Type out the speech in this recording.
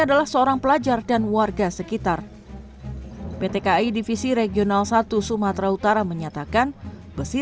adalah seorang pelajar dan warga sekitar pt kai divisi regional satu sumatera utara menyatakan besi